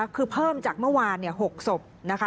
คือเพิ่มจากเมื่อวาน๖ศพนะคะ